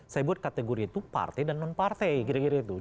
saya buat kategori itu partai dan non partai kira kira itu